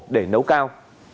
để nấu cao